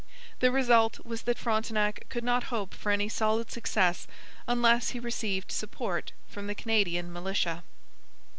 The result was that Frontenac could not hope for any solid success unless he received support from the Canadian militia.